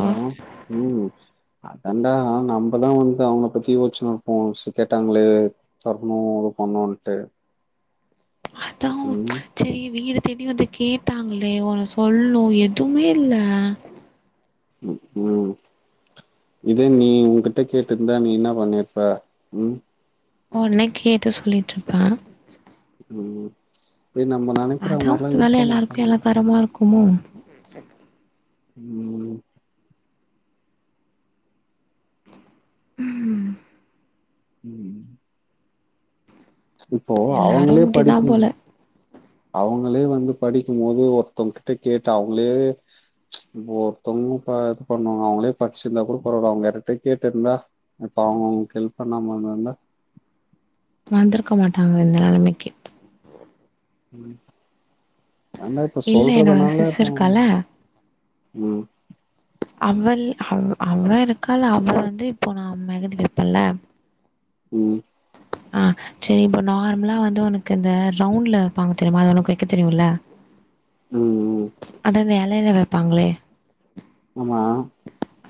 ஆ அதண்டா நம்மதான் வந்து அவங்கள பத்தி யோச்சுனு இருப்போம் கேட்டாங்களே தரணு இது பண்ணட்டு அத செரி வீடு தேடி வந்து கேட்டாங்களே ஒரு சொல்னும் எதுமே இல்ல உம் இதே நீ உங்கிட்ட கேட்டுருந்தா நீ என்னா பண்ணியிருப்ப உம் உன்னை கேட்டு சொல்லிட்டு இருப்ப ம் ஏ நம்ம நெனைக்கிற அதா ஒரு மாதிரிலாம் வேல இருக்க எல்லாருக்கு மாட்டாங்க [unintelligible] உம் உம் ம் இப்போ எல்லாரு அவங்களே இப்டிதா படிப்பு போல அவங்களே வந்து படிக்கும் போது ஒருத்தவங்க கிட்ட கேட்டு அவங்களே ஒருத்தவங்க ப இது பண்ணுவாங்க அவங்களே படிச்சிருந்தா கூட பரவால அவங்க யார்கிட்டா கேட்டு இருந்தா இப்ப அவங்களுக்கு எல்ப் பண்ணாம இருந்திருந்தா வந்து இருக்க மாட்டாங்க இந்த நெலமைக்கு ம் ஏன்னா இப்ப இல்ல என்னோட சொல்றதுனால சிஸ் இப்போ இருக்கால ம் அவள் அவ அவள் இருக்கால அவ வந்து இப்போ நான் மெகந்தி வெப்பல்ல உம் ஆ செரி இப்ப நார்மலா வந்து உனக்கு இந்த ரவுண்ட்ல வெப்பாங்க தெரியுமா அது உனக்கு வெக்க தெரியும்ல உம் அதா இந்தா இலையில வெப்பாங்களே ஆமா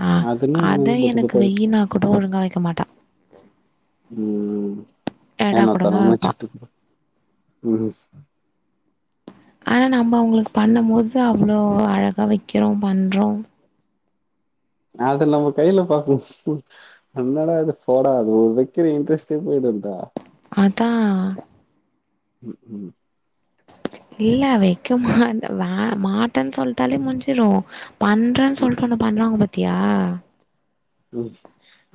ஆ அதுன்னா அத பொட்டு எனக்கு பொட்டா வச்சு வெய் நா கூட ஒழுங்கா வெக்க மாட்டா உம் ஏடா ஏன்னா கூடமா தருவனானு வைப்பா சொல்ட்டு ம் ஆனா நம்ப அவங்களுக்கு பண்ணும்போது அவ்ளோ அழகாக வெக்கிறோம் பண்றோம் நாள்ற நம்ம கைல பாக்கு என்னடா அது போடா அது ஒரு வெக்கிர இன்ட்ரெஸ்டே போய்டுன்டா அதான் ம் ம் இல்ல வெக்க மாட்ட வே மாட்டன்னு சொல்ட்டாலே முஞ்சிரும் ஒற்றன் ம் சொல்ட்டு ஒன்னு பண்ணறாங்க பாத்தியா ம்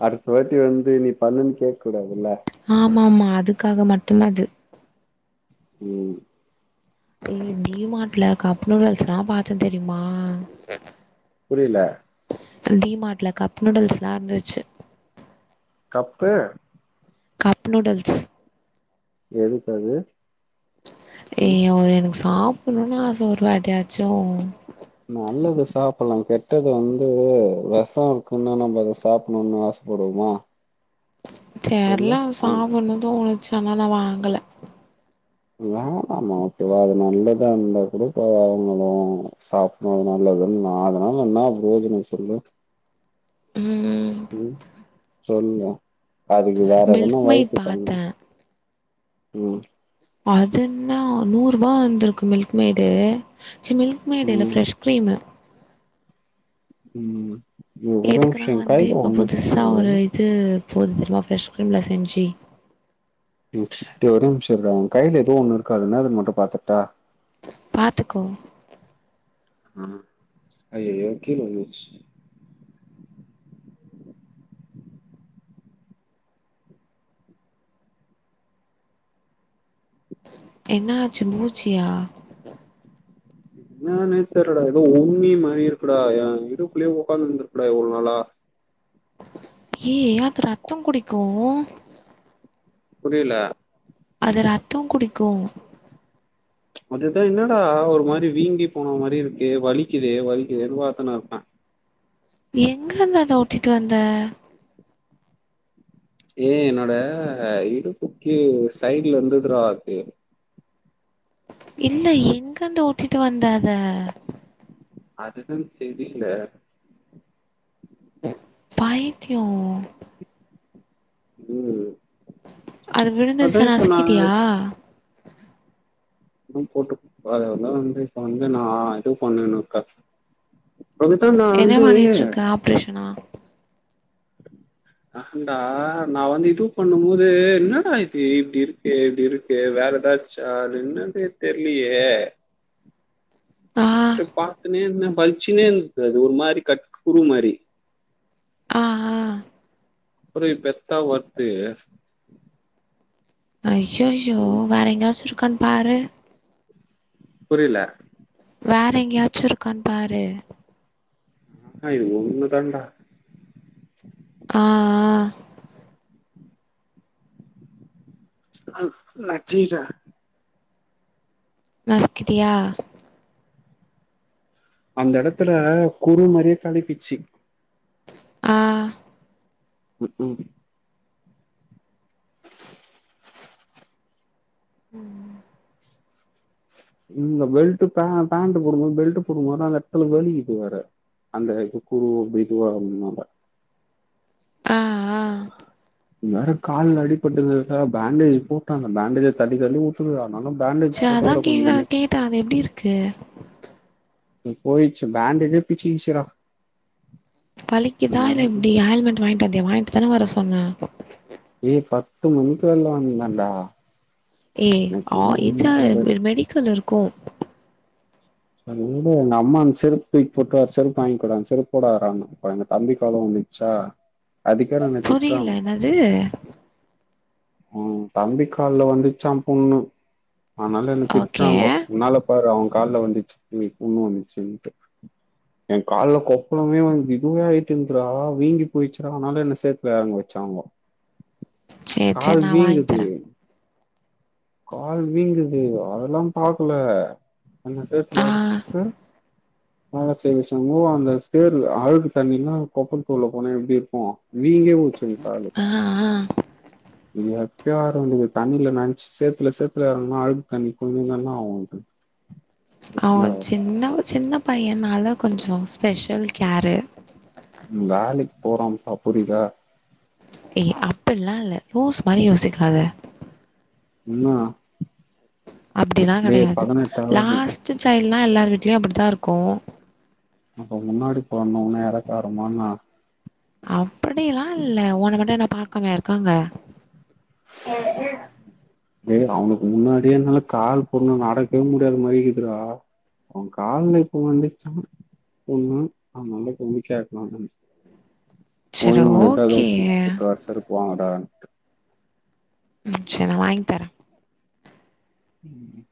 அடுத்த வாட்டி வந்து நீ பண்ணுனு கேக் கூடாதுல்ல ஆமா ஆமா அதுக்காக மட்டுதா அது ம் ஏ டீமாட்ல கப் நூடல்ஸ்ல்லா பாத்த தெரிமா புரியல டி மார்ட்ல கப் நூடுல்ஸ்ல்லா இருந்துச்சு கப்பு கப் நூடில்ஸ் எதுக்கது ஏ ஒரு எனக்கு சாப்புட்ணு னு ஆச ஒரு வாட்டியாச்சு நல்லது சாப்ட்லா கெட்டது வந்து வெசோ இருக்குன்னா நம்ம அத சாப்ணுனு ஆச படுவோமா தெர்ல அ சாப்பிட்ணு தோணுச்சு ஆனா நா வாங்கல வேணாமா ஓகேவா அது நல்லதா இந்தா கூட போய் வாங்கலா சாப் னா நல்லதுன்னா அதனால என்ன பிரோஜனோ சொல்லு ம் ம் சொல்லு அதுக்கு வேற எதன்னா மில்க் மேட் வய்த்துக்கன் பாத்தே ம் அதுன்னா நூறுபா வந்துருக்கு மில்க்மேடு ச் மில்க்மேடு இல்ல ம். ஃப்ரெஷ் க்ரீமு ம் ஒரு நிம்ஷோ எ கைல ஒன்னிர்க்கு த்து போது தெர்மா ஃப்ரெஷ் க்ரீம்ல செஞ்சு ம் டே ஒரே நிம்ஷோ இர்டா எ கைல எதோ ஒன்னு இருக்கு அது என்னதுனு மட்டு பாத்துர்டா பாத்துக்கோ ம் அய்யய்யோ கீழ விந்துர்ச்சு என்னாச்சு பூச்சியா என்னனே தெர்லடா ஏதோ உண்ணி மாரி இருக்குடா எ இடுப்லயே உக்காந்தித்திகுடா இவ்ளோ நாளா ஏ அது ரத்தோ குடிக்கூ புரியல அது ரத்தோ குடிக்கு அதுதா என்னடா ஒரு மாரி வீங்கி போன மாரி இருக்கே வலிக்குதே வலிக்குதேனு வாத்திட்டு இருக்கே எங்க இருந்து அத ஒட்டிட்டு வந்த ஏ என்னோட இடுப்புக்கு சைட்ல இந்துதுடா அது இல்ல எங்கந்து ஒட்டிட்டு வந்த அத அதுதா தெரில பைய்தியோ ம் அது அதா விழுந்துருச்சா இப்ப நா நசிக்கிட்டியா விடு போட்டு அதெல்லா வந்து இப்ப வந்து நா இது பண்ணனுக்கா அது தா நா வந்து பேசுனா [inaudible] அன்டா நா வந்து இது பண்ணு போது என்னடா இது இப்டி இருக்கு இப்டி இருக்கு வேற எதாச் சா அது என்னனே தெர்லயே ஆ பாத்துனே இருந்தே பலிச்சுனே இரு அது ஒரு மாரி கட் குரு மாரி ஆ ஆ அப்றோ பெத்தா ஒர்த்து அய்யய்யோ வேற எங்கயாச்சு இருக்கானு பாரு புரில வேற எங்கயாச்சு இருக்கான்னு பாரு ஆ இது ஒண்ணு தாண்டா ஆ ஆ ஆ வச்சிட்டா நஸ்கிடியா அந்த இடத்துல குறு மாரியே கழப்பிச்சு ஆ ம் ம் ம் இல்ல பெல்ட் பே பேண்ட் போடுபோது பெல்ட் போடுபோதா அந்த இடத்துல வலிக்கிது வேற அந்த இது குரு இது வாகுறதுனால ஆ ஆ எனக்கு வேற கால்ல அடிபட்டுந்தா பேண்டேஜ் போட்டாங்க பேண்டேஜ தள்ளி தள்ளிவுட் அப்டியா நாலா பேண்டேஜ் சரி போட்ட அதா கூட கேக்க பண்ணுவேனே கேட்டே அது எப்டி இருக்கு டு போயிச்சு பேண்டேஜே பிச்சிகிச்சுடா வலிக்கு தா இல்ல எப்டி ஆயில்மெண்ட் வாங்கிட்டு வந்தியா வாங்கிட்டு தான வர சொன்ன ஏ பத்து மணிக்கு வெள்ள வந்தண்டா ஏ ஆ இது ஒரு மெடிக்கல் இருக்கு சேரி உடு எங்க அம்மா அந்த செருப் தூக்கி போட்டுவர வேற செருப் வாங்கோடா அந்த செருப் போடதா டா [inaudible] எங்க தம்பி காலு வந்துச்சா ஆ புரில என்னது உம் தம்பி கால்ல வந்துச்சா புண்ணு அதுனால என்ன ஓகே திட்டுறாங்கோ உன்னால பாரு அவ கால்ல வந்துச்சு புண்ணு வந்துச்சுன்டு என் கால்ல கொப்பளமே வந்து இதுவாயிட்டு இருந்துறா வீங்கி போயிச்சுறா அதுனால என் செ ருப் வாங்க வச்சாங்கோ சேரி சேரி கால் நா வாங்கி வீங்குது தரே கால் வீங்குது அதெல்லா பாக்கல ஆன சேத்துல ஆ இருக்கு அழ சே [unintelligible] அந்த சேரு அழுக்கு தண்ணிலா கொப்பளத்து உள்ள போனா எப்டி இருக்கோ வீங்கி ச்சி காலு ஆ ஆ எப்ப [unintelligible] தண்ணில [inaudible] சேத்துல சேத்துல இறங்குனா அழுக்கு தண்ணி போயி என்னா ஆகு அவ சின்ன சின்ன பையனால கொஞ்சோ ஸ்பெஷல் கேரு ம் வேலைக்கு போற பா புரிதா ஏய் அப்பல்லா இல்ல லூஸ் மாரி யோசிக்காத என்னா அப்டிலா கெடையாது பதினெட்டாவது லாஸ்ட்டு சைல்டு்னா எல்லார் வீட்லயு அப்டிதா இருக்கு அப்ப முன்னாடி பொறந்தோனா இழக்காரமா என்ன அப்டில இல்ல உன்ன மட்டு என்ன பாக்காமயா இருக்காங்க ஏய் அவனுக்கு முன்னாடியே என்னால கால் புண்ணு நடக்கவே முடியாத மாரி இருகுதுடா அவன் கால்ல புண்ணு வந்துச்சா ஒண்ணு அவனால [unintelligible] போய் சரி ஏதாவது ஓகே தூக்கி போட்டுவா செருப்போடலா வராதன்டு ம் சேரி நா வாங்கி தர ம்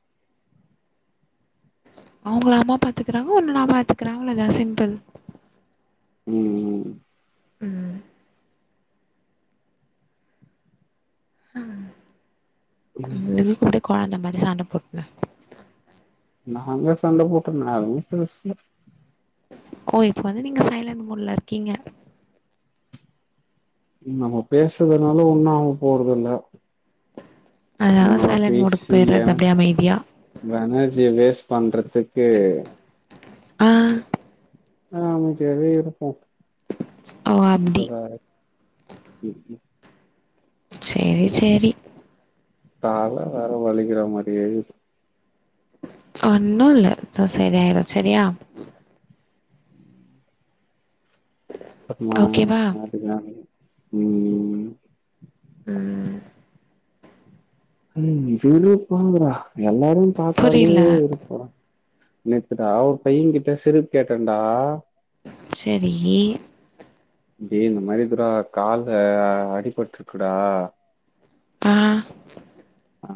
அவுங்கள அம்மா பாத்துக்கறாங்க ஒன்ன நா பாத்துக்குற அவ்ளோதா சிம்பிள் ம் ம் ம் அ இதுக்கு போடு கொழந்த மாரி சண்ட போட்டு நாங்ளா சண்ட போட்டுக்கு நாங்ளே பேஸ்ன ஓ இப்ப வந்து நீங்க சைலண்ட் மூட்ல இருக்கீங்க நம்ம பேசுறதுனால ஒன்னு ஆக போறதுல்ல அதனால இன்னு சைலண்ட் மோடுக்கு பேசி போயிறது என அப்டியே அமைதியா எனர்ஜிய வேஸ் பண்றதுக்கு ஆ ஆம்தியாவே இருப்போ ஓ அப்டி இவவேற ம் ம் சேரி சேரி கால்லா வேற வழிகிற மாரியே இருக்து ஒன்னுல்ல வழ்ச்சா சரியாய்டு சரியா பாத்தீங்ளா ஓகேவா விளாட்டுக்குலா வலிக்குது ம் ஆ ம் செரிப்போங்குறா எல்லாரு பாத்தாலே புரியல வெறுப்புதா நேத்துடா ஒரு பையன் கிட்ட செருப் கேட்டன்டா செரி டேய் இந்த மாரி இருக்துடா கால்ல அடிபட்ருக்குடா ஆ ஆ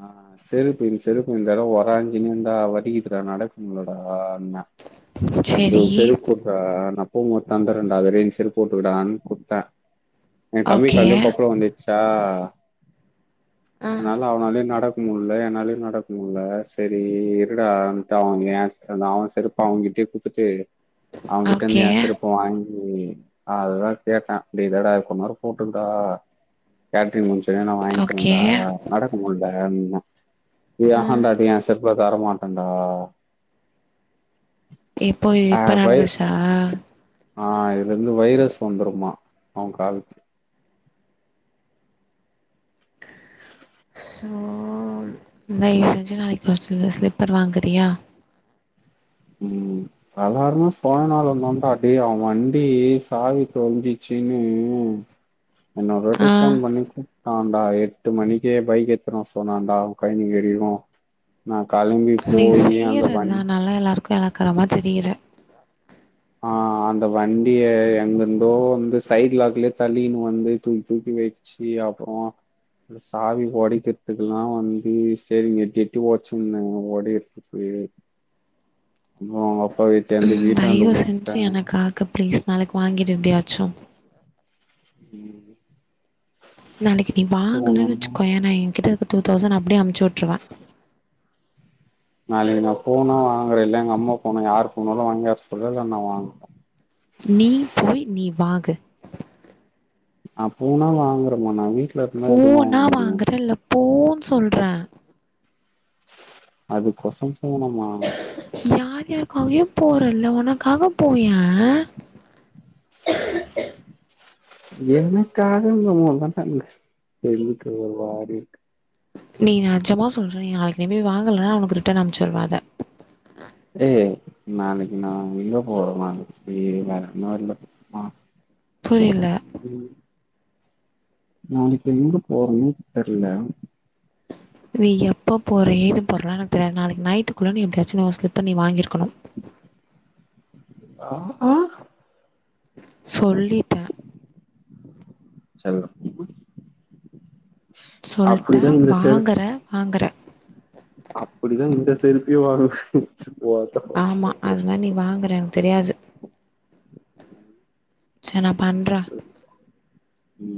செருப்புன் செருப்பு இந்த தடவ ஒராஞ்சுன்னிங்குன்டா வலிக்கிதுடா நடக்குனும்லடா அண்ண டே சரி செருப் குட்றா நா போமோது தந்துரன்டா அதுவரி இந் செருப் போட்டுக்கிடான் குடத்த என் தம்பி ஓகே கால்யு கொப்புளோ வந்துட்ச்சா ஆ அனால அவனால்யு நடக் முல்ல என்னால்யு நடக் முல்ல செரி இருடா அவ்ன்ட்ட அவு ஏன்ஸ் அந்த அவன் செருப் ப அவுன்கிட்யே குட்த்துட்டு அவன்கிட்ட இர்ந்து ஓகே ஏன் செருப்ப வாங்கி அதுதா கேட்ட டேய் என்னடா கொன்நேரோ போட்டுன்டா கேட்டேன் சொல்லி ஓகே வாய்ங்கிர்ண்டா நடக்க முல்ல அப்டின்ன ஆ ஏகான்டாடே ஏஸ் செர்ப்ப தரமாட்டன்டா இப்போ இது ஆ இப்ப வை நடந்துஸா ஆ இதுல இருந்து வைரஸ் வந்துருமா அவ்ன் காலுக்கு சோ இந்த இங்க செஞ்ச நாளைக் வொர்ச்சர்ல ஸ்லிப்பர் வாங்குறியா ம் சாதார்ண சொயநலோதான்டா டேய் அவன் வண்டி சாவி தொலைஞ்சிச்சுன்னு என்ன ஒரு வாட்டி ஆ ஃபோன் பண்ணி கூப் டாண்டா எட்டு மணிக்கே பைக் எடுத்துனு வர சொன்னான்டா அவன்கைனிங் எரியவு நா கெளம்பி போயி அந்த வண் எலாக்காரமா தெரிர ஆ அந்த வண்டிய எங்கிர்ந்தோ வந்து சைட் லாக்குலே தள்ளீன்னு வந்து தூக் தூக்கி வ ச்சுஅப்றோ அந்த சாவி ஒடைக்கெற்துக்குலாவு வந்து சரிங்கட்டு எட்டி எட்டி ஒட்ச்சு இந்தங்க ஒடய சேரி இன்னு அவ்ங்க அப்பா வீட்ல இர்ந்து வீட்டான்ட உ ஜி எனக்காக ப்ளீஸ் நாளைக்கு வாங்கிடு எப்டியாச்சு ம் நாளைக்கு நீ வாங்கலன் சோழனா வச்சுக்கோயே நான் என்கிட்ட இருந்த தூதௌஷன அப்டியே அமுச்சு உட்ருவ நாளைக்கு நா போனா வாங்குற இல்ல எங்க அம்மா போனா யாரு போனாலு வாங்வர சொல்ற இல்ல நா வாங் நீ போய் நீ வாங்கு நா போனா வாங்கறமா நா வீட் போனா வாங்கறல்ல போன் சொல்ற அது கொசம் போனமா யார் யாருக்காகவோ போறல்ல உனக்காக போயே [inaudible] எனக்காக நம்மல்லா [unintelligible] நீ நெஜமா சொல்றே நீ நாளைக்கு நீ போய் வாங்கலன்னா உனுக்கு ரிட்டன் அனுப்ச்சுருவ அத ஏ நாளைக்கு நா எங்க போறோ நாளைக்கி வேறொன்னுல்ல மா புரில ம் நாளைக்கு எங்க போறதுன் தெர்ல நீ எப்போ போற ஏது போறல்லா எனக்கு தெரியாது நாளைக்கு நைட்டுக்குள்ள நீ எப்டியாச்சும் உன் ஸ்லிப்ப நீ வாங்கியிருக்கணு [unintelligible] சொல்லிட்டே செல்லோ [unintelligible] சொல்ட்ட வாங்கற! வாங்கற! அப்டிதா இந்த செருப்பியு வாங்க வச்ச போ ஆமா அது மாரி நீ வாங்குற எனக்கு தெரியாது சர் நா பண்ற ம்